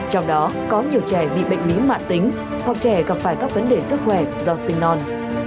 trong đó có nhiều trẻ bị bệnh lý mạng tính hoặc trẻ gặp phải các vấn đề sức khỏe do sinh non